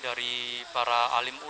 dari para penyelenggara